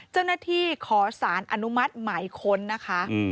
เจ้าหน้าที่ขอสารอนุมัติหมายค้นนะคะ